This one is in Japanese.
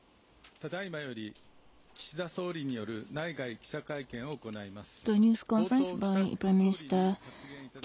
ただいまより岸田総理による内外記者会見を行います。